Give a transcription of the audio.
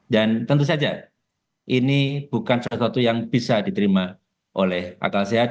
dan tentu saja ini bukan sesuatu yang bisa diterima oleh akal sehat